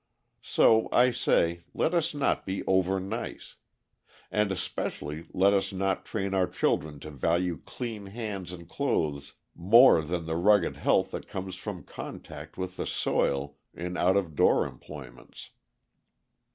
So I say, let us not be over nice. And especially let us not train our children to value clean hands and clothes more than the rugged health that comes from contact with the soil in out of door employments.